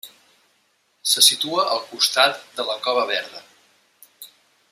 Se situa al costat de la Cova Verda.